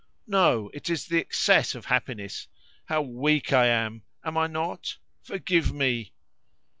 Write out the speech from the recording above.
No; it is the excess of happiness. How weak I am, am I not? Forgive me!"